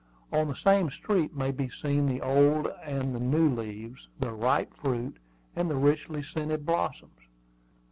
On the same tree may be seen the old and the new leaves, the ripe fruit, and the richly scented blossoms.